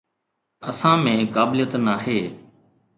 اسان ۾ قابليت ناهي.